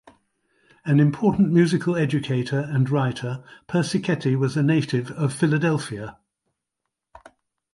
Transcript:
An important musical educator and writer, Persichetti was a native of Philadelphia.